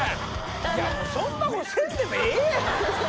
いやもうそんなことせんでもええやん！